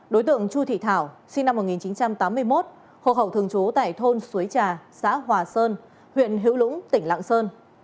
đối tượng chu thị thảo sinh năm một nghìn chín trăm tám mươi một hộ khẩu thường trú tại thôn suối trà xã hòa sơn huyện hữu lũng tỉnh lạng sơn